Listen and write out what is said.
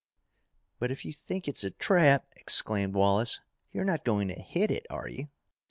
"But if you think it's a trap," exclaimed Wallace, "you're not going to hit it, are you?"